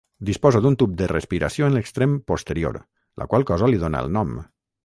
Disposa d'un tub de respiració en l'extrem posterior, la qual cosa li dona el nom.